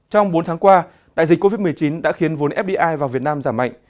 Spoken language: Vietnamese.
trong bốn tháng qua đại dịch covid một mươi chín đã khiến vốn fdi vào việt nam giảm mạnh